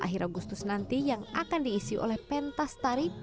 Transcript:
akhir agustus nanti yang akan diisi oleh pentas tari